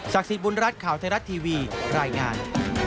สิทธิ์บุญรัฐข่าวไทยรัฐทีวีรายงาน